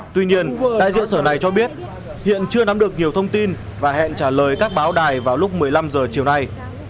tuy nhiên đại diện sở này cho biết hiện chưa nắm được nhiều thông tin và hẹn trả lời các báo đài vào lúc một mươi năm h chiều nay